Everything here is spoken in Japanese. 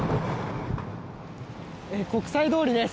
国際通りです。